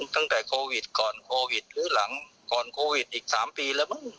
ตั้งแต่โควิดก่อนโควิดหรือหลังก่อนโควิดอีก๓ปีแล้วมั้ง